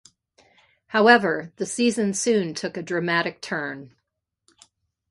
However, the season soon took a dramatic turn.